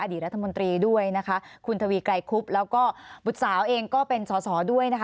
รัฐมนตรีด้วยนะคะคุณทวีไกรคุบแล้วก็บุตรสาวเองก็เป็นสอสอด้วยนะคะ